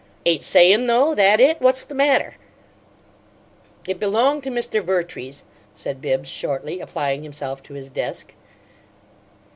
"Ain't sayin', though? That it? What's the matter?" "It belonged to Mr. Vertrees," said Bibbs, shortly, applying himself to his desk.